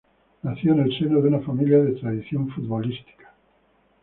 Nació en el seno de una familia de tradición futbolística.